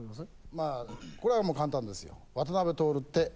まあこれはもう簡単ですよ。